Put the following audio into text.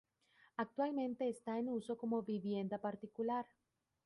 Actualmente está en uso como vivienda particular.